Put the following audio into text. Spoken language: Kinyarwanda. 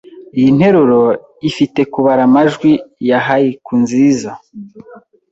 Iyi ninteruro, ifite kubara amajwi, ya haiku nziza.